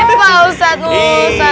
eh pak ustadz musa